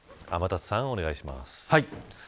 天達さん、お願いします。